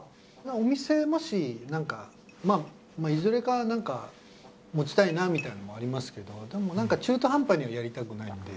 お店もしなんかいずれかなんか持ちたいなみたいのもありますけどでもなんか中途半端にはやりたくないんで。